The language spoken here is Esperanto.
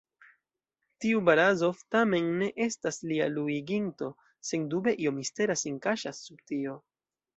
Tiu Barazof tamen ne estas lia luiginto, sendube io mistera sin kaŝas sub tio.